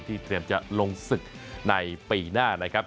เตรียมจะลงศึกในปีหน้านะครับ